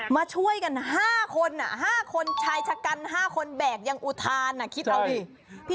มาช่วยกัน๕คน๕คนชายชะกัน๕คนแบกยังอุทานคิดเอาดิ